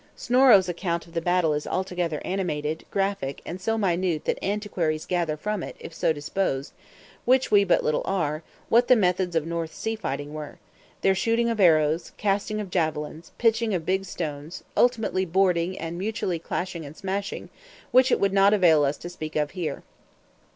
Snorro's account of the battle is altogether animated, graphic, and so minute that antiquaries gather from it, if so disposed (which we but little are), what the methods of Norse sea fighting were; their shooting of arrows, casting of javelins, pitching of big stones, ultimately boarding, and mutual clashing and smashing, which it would not avail us to speak of here.